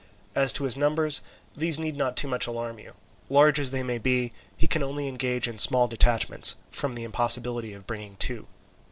As to his numbers, these need not too much alarm you. Large as they may be he can only engage in small detachments, from the impossibility of bringing to.